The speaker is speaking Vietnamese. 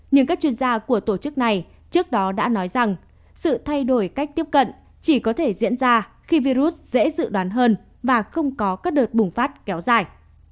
nhưng các chuyên gia của tổ chức này trước đó đã nói rằng sự thay đổi cách tiếp cận chỉ có thể diễn ra khi virus dễ dự đoán hơn và không có các đợt bùng phát kéo dài